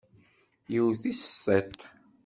Yewwet-it s tiṭ.